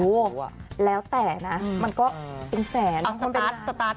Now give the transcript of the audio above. โอ้โหแล้วแต่นะมันก็เป็นแสนเอาสตาร์ทสตาร์ท